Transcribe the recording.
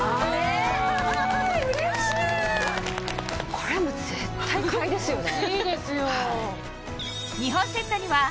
これはもう絶対買いですよね。